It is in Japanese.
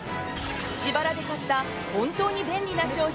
自腹で買った本当に便利な商品